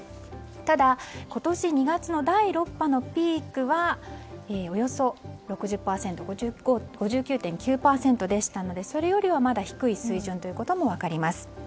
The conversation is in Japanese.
ただ、今年２月の第６波のピークはおよそ６０％５９．９％でしたのでそれよりはまだ低い水準ということも分かります。